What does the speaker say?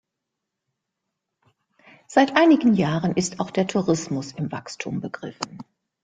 Seit einigen Jahren ist auch der Tourismus im Wachstum begriffen.